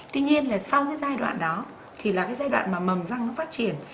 tuy nhiên là sau cái giai đoạn đó thì là cái giai đoạn mà mầm răng nó phát triển